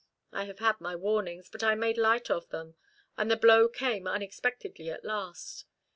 I have had my warnings, but I made light of them, and the blow came unexpectedly at last.